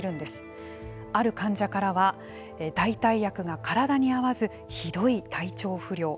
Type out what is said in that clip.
ある患者からは代替薬が体に合わずひどい体調不良。